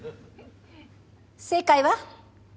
正解は。